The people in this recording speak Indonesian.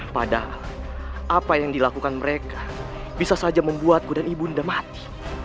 padahal apa yang dilakukan mereka bisa saja membuatku dan ibunda mati